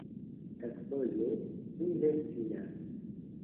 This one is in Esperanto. Kelkfoje... mi ne scias...